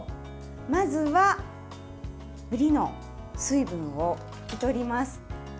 まずはぶりの水分を拭き取ります。